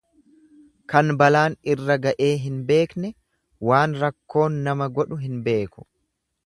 Kan balaan irra ga'ee hin beekne waan rakkoon nama godhu hin beeku.